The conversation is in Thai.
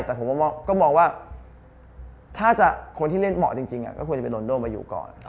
แต่ผมก็มองว่าถ้าคนที่เล่นเหมาะจริงก็ควรจะไปโดนโดมาอยู่ก่อน